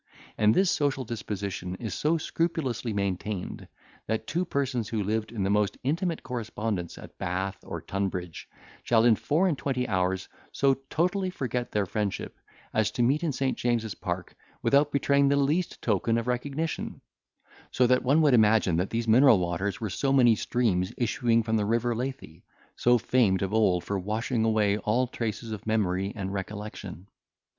And this social disposition is so scrupulously maintained, that two persons who lived in the most intimate correspondence at Bath or Tunbridge, shall in four and twenty hours so totally forget their friendship, as to meet in St. James's Park, without betraying the least token of recognition; so that one would imagine these mineral waters were so many streams issuing from the river Lethe, so famed of old for washing away all traces of memory and recollection.